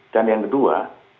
dan yang kedua